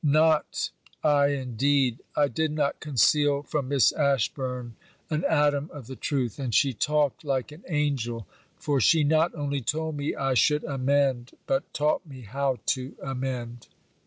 Not, I indeed! I did not conceal from Miss Ashburn an atom of the truth; and she talked like an angel, for she not only told me I should amend but taught me how to amend.